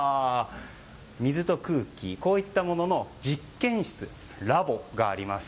水と空気、こういったものの実験室、ラボがあります。